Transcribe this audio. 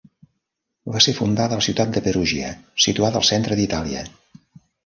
Va ser fundada a la ciutat de Perugia, situada al centre d'Itàlia.